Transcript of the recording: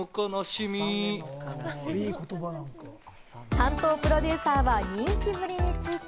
担当プロデューサーは人気ぶりについて。